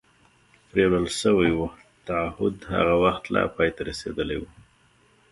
پرېولل شوي و، تعهد هغه وخت لا پای ته رسېدلی و.